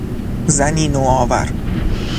زنی نوآور